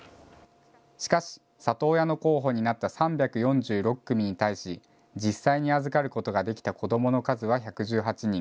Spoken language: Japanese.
しかし里親の候補になった３４６組に対し実際に預かることができた子どもの数は１１８人。